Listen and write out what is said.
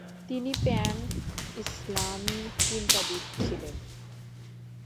তিনি প্যান ইসলামি চিন্তাবিদ ছিলেন।